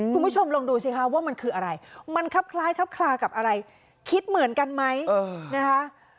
คุณผู้ชมลองดูสิคะว่ามันคืออะไรมันครับคล้ายครับคลากับอะไรคิดเหมือนกันไหมนะคะ